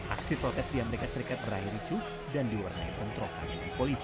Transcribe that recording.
aksi protes di amerika serikat berakhir ricu dan diwarnain tentrokan oleh polisi